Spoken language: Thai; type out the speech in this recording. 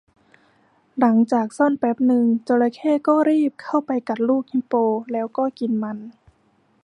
หลังจากซ่อนแป๊บนึง จระเข้ก็รีบเข้าไปกัดลูกฮิปโปแล้วก็กินมัน